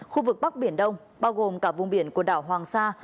khu vực bắc biển đông bao gồm cả vùng biển quần đảo hoàng sa